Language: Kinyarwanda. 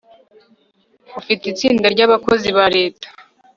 ufite itsinda ry'abakozi ba leta